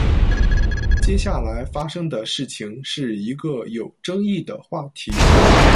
接下来发生的事情是一个有争议的话题。